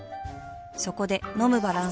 そこで飲むバランス栄養食